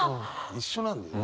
一緒なんだよね。